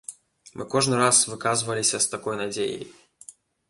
Мы кожны раз выказваліся з такой надзеяй.